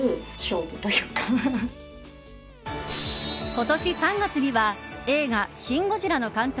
今年３月には映画シン・ゴジラの監督